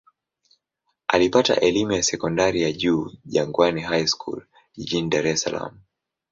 Alipata elimu ya sekondari ya juu Jangwani High School jijini Dar es Salaam.